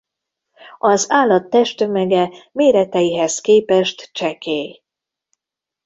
Az állat testtömege méreteihez képest csekély.